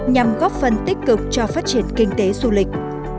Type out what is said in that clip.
nhằm góp phần tích cực cho phát triển kinh tế du lịch